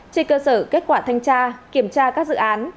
trên cơ sở kết quả thanh tra kiểm tra các dự án